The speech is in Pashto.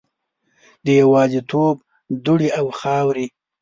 د یوازیتوب دوړې او خاورې